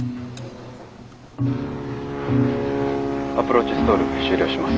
アプローチストール終了します。